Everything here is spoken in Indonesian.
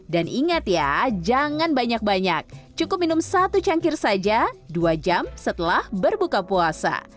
dan ingat ya jangan banyak banyak cukup minum satu cangkir saja dua jam setelah berbuka puasa